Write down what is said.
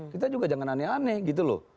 kita juga jangan aneh aneh gitu loh